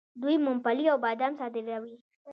دوی ممپلی او بادام صادروي.